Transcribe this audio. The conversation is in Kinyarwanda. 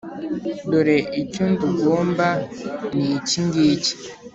Dore icyo ndugomba ni ikingiki